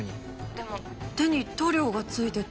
でも手に塗料が付いてて。